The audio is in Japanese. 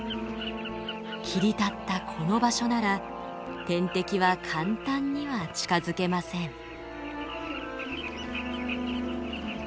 切り立ったこの場所なら天敵は簡単には近づけません。